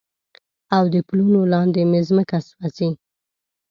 او د پلونو لاندې مې مځکه سوزي